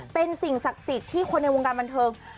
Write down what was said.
เป็นสิ่งศักดิ์สิทธิ์ที่คนในวงการบันเทิง